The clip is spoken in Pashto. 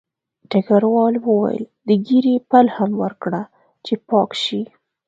ډګروال وویل د ږیرې پل هم ورکړه چې پاک شي